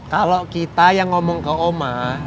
kalau kita yang ngomong ke oma